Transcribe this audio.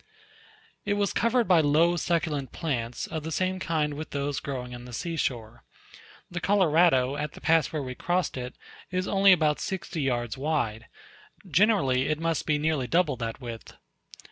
It was covered by low succulent plants, of the same kind with those growing on the sea shore. The Colorado, at the pass where we crossed it, is only about sixty yards wide; generally it must be nearly double that width.